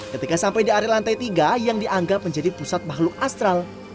ketika sampai di area lantai tiga yang dianggap menjadi pusat makhluk astral